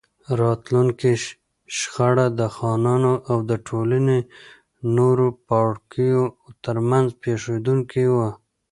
راتلونکې شخړه د خانانو او د ټولنې نورو پاړکیو ترمنځ پېښېدونکې وه.